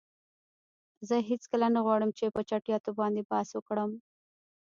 زه هیڅکله نه غواړم چې په چټییاتو باندی بحث وکړم.